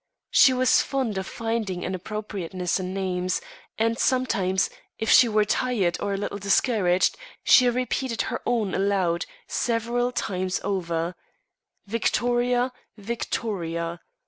She was fond of finding an appropriateness in names, and sometimes, if she were tired or a little discouraged, she repeated her own aloud, several times over: "Victoria, Victoria.